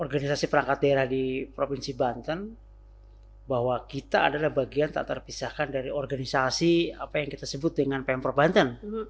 organisasi perangkat daerah di provinsi banten bahwa kita adalah bagian tak terpisahkan dari organisasi apa yang kita sebut dengan pemprov banten